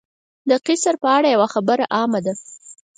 د قیصر په اړه یوه خبره عامه ده.